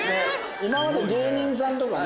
今まで芸人さんとかね